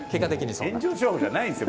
炎上商法じゃないですよ